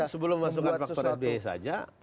sebelum masukkan faktor sba saja